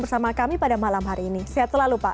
bersama kami pada malam hari ini sehat selalu pak